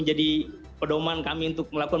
jadi pedoman kami untuk melakukan